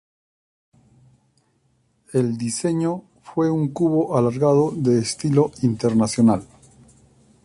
El diseño fue un cubo alargado de estilo internacional.